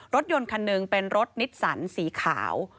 รถยนต์คันหนึ่งเป็นรถนิสสันสีขาว